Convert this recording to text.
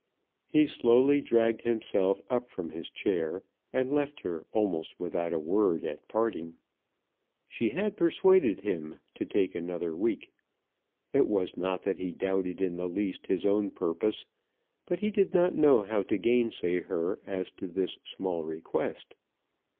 He slowly dragged himself up from his chair, and left her almost without a word at parting. She had persuaded him to take another week. It was not that he doubted in the least his own purpose, but he did not know how to gainsay her as to this small request.